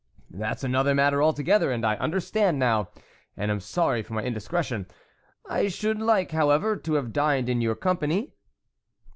" That's another matter altogether, and I understand now and am sorry for my indiscretion. I should like, however, to have dined in your company."